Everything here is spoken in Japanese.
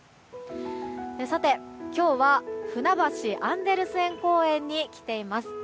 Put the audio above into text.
今日は、ふなばしアンデルセン公園に来ています。